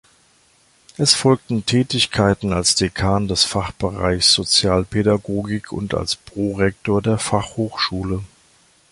Es folgten Tätigkeiten als Dekan des Fachbereichs Sozialpädagogik und als Prorektor der Fachhochschule.